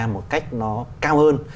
một cách nó cao hơn